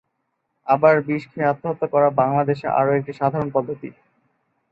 আবার বিষ খেয়ে আত্মহত্যা করা বাংলাদেশে আরো একটি সাধারণ পদ্ধতি।